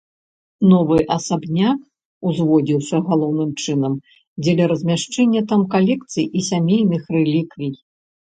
Новы асабняк узводзіўся, галоўным чынам, дзеля размяшчэння там калекцый і сямейных рэліквій.